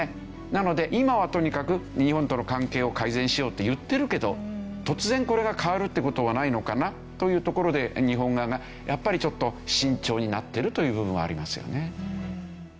なので今はとにかく日本との関係を改善しようって言ってるけど突然これが変わるって事はないのかな？というところで日本側がやっぱりちょっと慎重になってるという部分はありますよね。